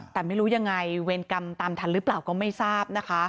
แต่ไม่รู้ยังไงเวรกรรมตามทันหรือเปล่าก็ไม่ทราบนะคะ